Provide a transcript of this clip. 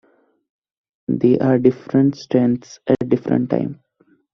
They're different strengths at different times.